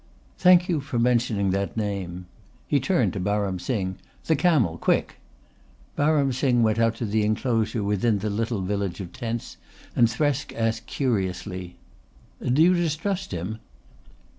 "Thank you for mentioning that name." He turned to Baram Singh. "The camel, quick!" Baram Singh went out to the enclosure within the little village of tents and Thresk asked curiously: "Do you distrust him?"